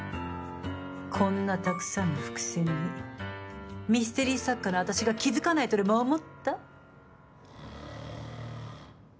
こんなたくさんの伏線にミステリー作家の私が気づかないとでも思った？